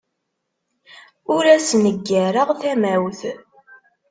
Ur asen-ggareɣ tamawt.